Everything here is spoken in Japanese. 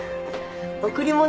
贈り物？